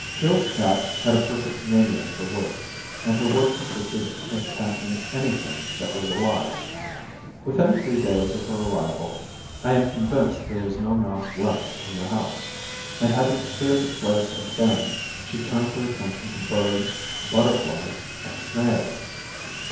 Jill's cat had a perfect mania for work, and her work con sisted in catching anything that was alive. Within three days 179 Ms of her arrival I am convinced there was no mouse left in the house, and having cleared the place of them she turned her attention to birds, butterflies, and snails.